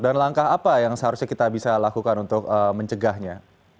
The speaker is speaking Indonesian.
dan langkah apa yang seharusnya kita bisa lakukan untuk mencegahnya